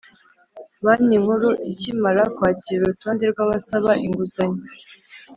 Banki nkuru ikimara kwakira urutonde rwabasaba inguzanyo